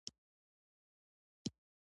زړورتیا او میړانه د ازادۍ او استقلال ضامن دی.